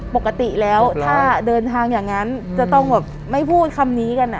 ปกติแล้วถ้าเดินทางอย่างนั้นจะต้องแบบไม่พูดคำนี้กัน